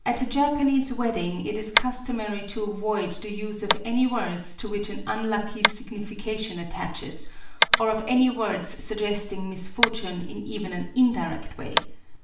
3 Ac a Japanese wedding it is cusconury to ayoid the use of any words to which an unlucky agnification attaches, or of any words snggesdng misfortune in even an indifect way.